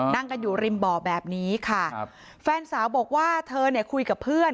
นั่งกันอยู่ริมบ่อแบบนี้ค่ะครับแฟนสาวบอกว่าเธอเนี่ยคุยกับเพื่อน